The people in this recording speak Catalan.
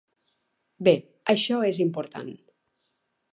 Bé, això és important.